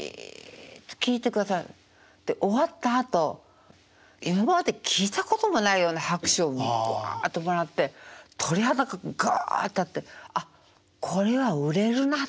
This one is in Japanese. で終わったあと今まで聞いたこともないような拍手をぶわっともらって鳥肌ががっ立って「あっこれは売れるな」。